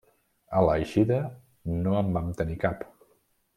A l'eixida no en vam tenir cap.